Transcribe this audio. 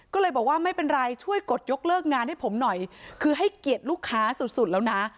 ก็เลยบอกว่าไม่เป็นไรช่วยกดยกเลิกงานให้ผมหน่อยคือให้เกียรติลูกค้าสุดสุดแล้วนะ